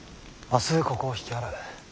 明日ここを引き払う。